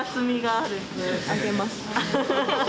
・あげます。